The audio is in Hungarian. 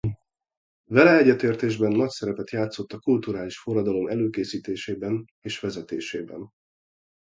Vele egyetértésben nagy szerepet játszott a kulturális forradalom előkészítésében és vezetésében.